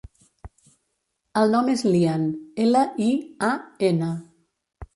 El nom és Lian: ela, i, a, ena.